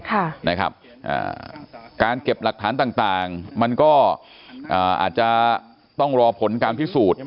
ค่ะนะครับอ่าการเก็บหลักฐานต่างต่างมันก็อ่าอาจจะต้องรอผลการพิสูจน์